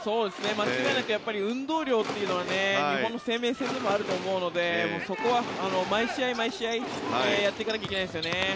間違いなく運動量というのは日本の生命線でもあると思うのでそこは毎試合毎試合やっていかなければいけないですよね。